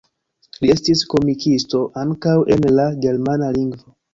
Li estis komikisto ankaŭ en la germana lingvo.